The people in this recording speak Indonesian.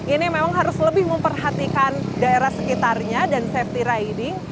ini memang harus lebih memperhatikan daerah sekitarnya dan safety riding